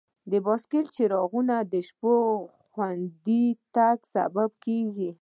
د بایسکل څراغونه د شپې خوندي تګ سبب دي.